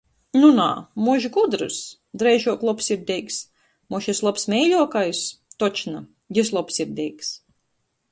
Nu, nā!... Mož gudrs? Dreižuok lobsirdeigs... Mož jis lobs meiļuokais? Točno, jis lobsirdeigs!